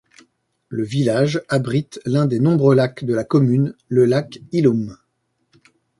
Le village abrite l'un des nombreux lacs de la commune, le lac Illum.